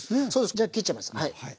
じゃあ切っちゃいます。